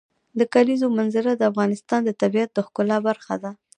د کلیزو منظره د افغانستان د طبیعت د ښکلا برخه ده.